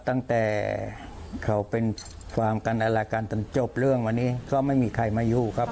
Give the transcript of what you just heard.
ตั้งแต่เขาเป็นความกันอะไรกันจนจบเรื่องวันนี้ก็ไม่มีใครมายุ่งครับ